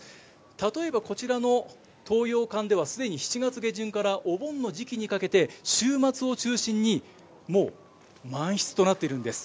例えばこちらの東洋館では、すでに７月下旬からお盆の時期にかけて、週末を中心に、もう満室となっているんです。